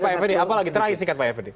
pak eveni apa lagi terakhir sih kak pak eveni